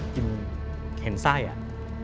กินเห็นไซ่อ่ะ